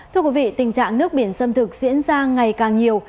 thưa quý vị tình trạng nước biển xâm thực diễn ra ngày càng nhiều